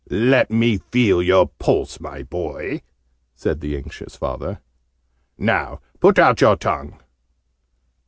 "Let me feel your pulse, my boy!" said the anxious father. "Now put out your tongue.